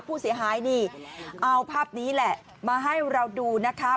ผู้เสียหายนี่เอาภาพนี้แหละมาให้เราดูนะคะ